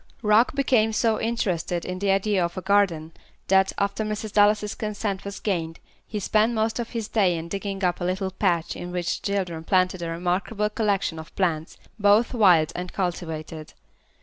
Rock became so interested in the idea of a garden, that, after Mrs. Dallas's consent was gained, he spent most of the day in digging up a little patch in which the children planted a remarkable collection of plants, both wild and cultivated.